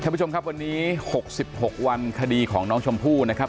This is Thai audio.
ผู้ชมครับวันนี้๖๖วันคดีของน้องชมพู่นะครับ